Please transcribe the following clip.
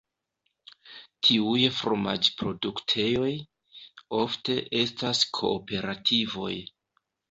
Tiuj fromaĝ-produktejoj, ofte estas kooperativoj.